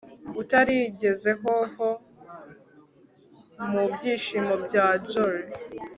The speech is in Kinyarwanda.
utarigeze ho-ho-ho mu byishimo bya jolly